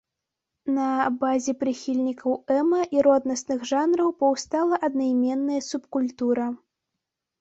На базе прыхільнікаў эма і роднасных жанраў паўстала аднайменная субкультура.